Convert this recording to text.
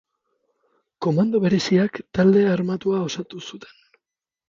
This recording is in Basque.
Komando Bereziak talde armatua osatu zuten.